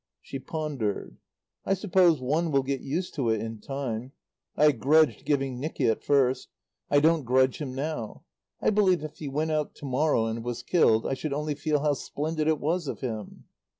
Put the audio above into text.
She pondered. "I suppose one will get used to it in time. I grudged giving Nicky at first. I don't grudge him now. I believe if he went out to morrow, and was killed, I should only feel how splendid it was of him."